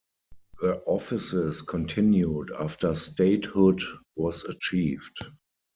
The offices continued after statehood was achieved.